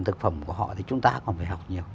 thực phẩm của họ thì chúng ta còn phải học nhiều